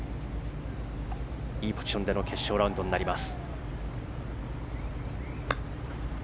いいポジションでの決勝ラウンドになります。